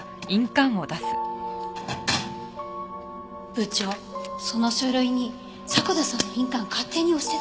部長その書類に迫田さんの印鑑勝手に押してたの。